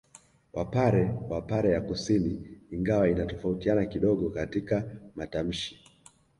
Wapare wa pare ya kusini ingawa inatofautiana kidogo katika matamshi